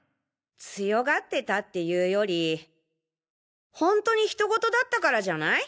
強がってたっていうよりほんとに人ごとだったからじゃない？